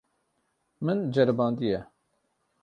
Min ceribandiye.